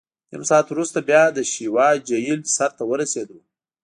نیم ساعت وروسته بیا د شیوا جهیل سر ته ورسېدو.